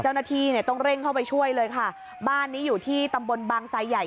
เจ้าหน้าที่เนี่ยต้องเร่งเข้าไปช่วยเลยค่ะบ้านนี้อยู่ที่ตำบลบางไซใหญ่